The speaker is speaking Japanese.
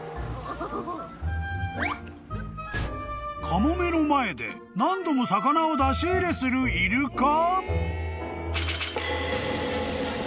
［カモメの前で何度も魚を出し入れするイルカ？］